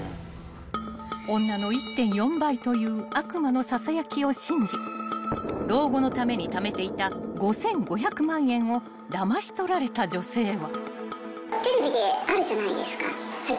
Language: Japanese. ［女の「１．４倍」という悪魔のささやきを信じ老後のためにためていた５，５００万円をだまし取られた女性は］